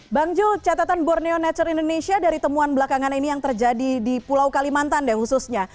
bang jul catatan borneo nature indonesia dari temuan belakangan ini yang terjadi di pulau kalimantan deh khususnya